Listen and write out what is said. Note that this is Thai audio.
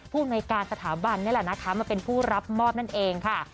อำนวยการสถาบันนี่แหละนะคะมาเป็นผู้รับมอบนั่นเองค่ะ